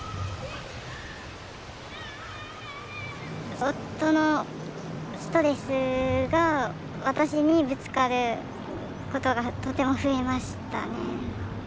夫のストレスが私にぶつかることがとても増えましたね。